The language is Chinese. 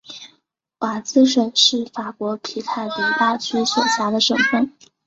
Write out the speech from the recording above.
瓦兹省是法国皮卡迪大区所辖的省份。